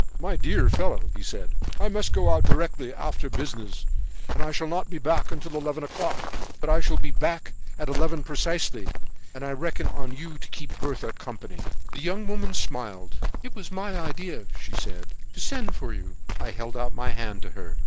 "'My dear fellow,' he said, 'I must go out directly afterward on business, and I shall not be back until eleven o'clock; but I shall be back at eleven precisely, and I reckon on you to keep Bertha company.' "The young woman smiled. "'It was my idea,' she said, 'to send for you.' "I held out my hand to her.